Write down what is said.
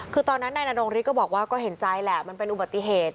คือตอนนั้นนายนรงฤทธิก็บอกว่าก็เห็นใจแหละมันเป็นอุบัติเหตุ